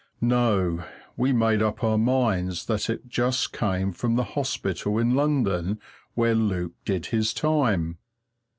No we made up our minds that it just came from the hospital in London where Luke did his time.